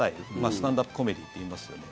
スタンドアップコメディーといいますよね。